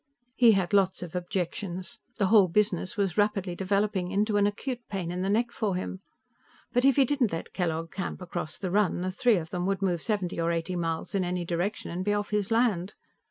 He had lots of objections. The whole business was rapidly developing into an acute pain in the neck for him. But if he didn't let Kellogg camp across the run, the three of them could move seventy or eighty miles in any direction and be off his land.